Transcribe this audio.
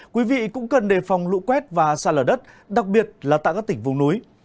quý vị cũng cần đề phòng lũ quét và xa lở đất đặc biệt là tại các tỉnh vùng núi